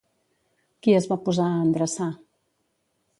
Qui es va posar a endreçar?